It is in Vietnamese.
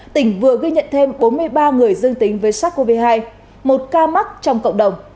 tỉnh vừa ghi nhận thêm bốn mươi ba người dương tính với sars cov hai một ca mắc trong cộng đồng